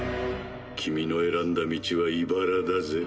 君の選んだ道は茨だぜ。